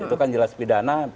itu kan jelas pidana